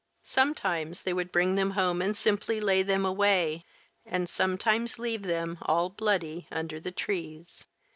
Sometimes they would bring them home and simply "lay them away," and sometimes leave them, all bloody, under the trees.